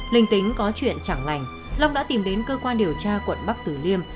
linh tính có chuyện chẳng lành long đã tìm đến cơ quan điều tra quận bắc tử liêm